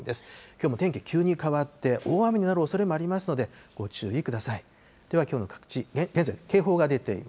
きょうも天気急に変わって、大雨になるおそれもありますので、ご注意ください。